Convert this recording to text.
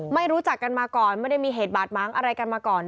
รู้จักกันมาก่อนไม่ได้มีเหตุบาดม้างอะไรกันมาก่อน